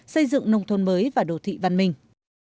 xây dựng nông thôn mới và đô thị văn minh